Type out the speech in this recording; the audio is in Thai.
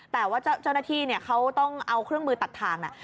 แต่ว่าเจ้าหน้าที่เขาต้องเอาเครื่องมือตัดทาง